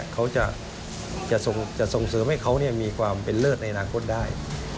เขาจะส่งเสริมให้เขามีความเป็นเลิศในอนาคตได้